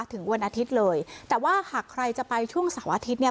ถึงวันอาทิตย์เลยแต่ว่าหากใครจะไปช่วงเสาร์อาทิตย์เนี่ย